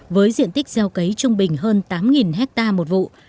với diện tích gieo cấy trung bình hơn tám hectare một vụ